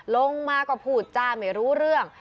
ลงมาก็พูดจ้าไม่รู้เรื่อง